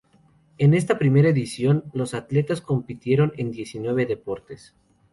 En esta primera edición, los atletas compitieron en diecinueve deportes.